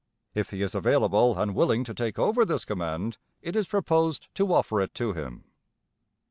If he is available, and willing to take over this command, it is proposed to offer it to him.